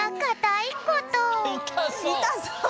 いたそう！